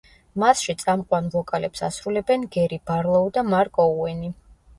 მასში წამყვან ვოკალებს ასრულებენ გერი ბარლოუ და მარკ ოუენი.